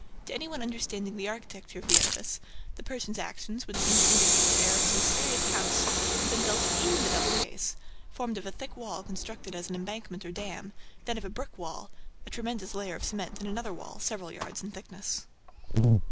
To any one understanding the architecture of the edifice, the Persian's action would seem to indicate that Erik's mysterious house had been built in the double case, formed of a thick wall constructed as an embankment or dam, then of a brick wall, a tremendous layer of cement and another wall several yards in thickness.